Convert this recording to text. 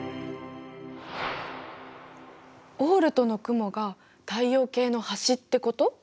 オールトの雲が太陽系の端ってこと！？